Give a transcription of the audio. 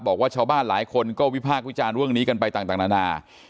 บอกว่าชาวบ้านหลายคนก็วิพากษ์วิจารณ์เรื่องนี้กันไปต่างนานา